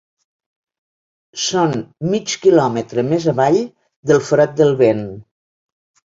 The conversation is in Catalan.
Són mig quilòmetre més avall del Forat del Vent.